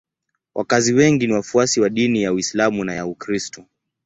Wakazi wengi ni wafuasi wa dini ya Uislamu na ya Ukristo.